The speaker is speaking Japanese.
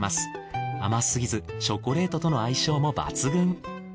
甘すぎずチョコレートとの相性も抜群。